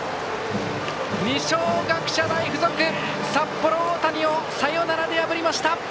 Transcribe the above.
二松学舎大付属、札幌大谷をサヨナラで破りました！